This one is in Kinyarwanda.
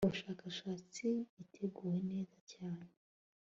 ubushakashatsi giteguwe neza cyane